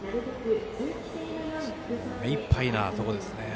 目いっぱいなところですね。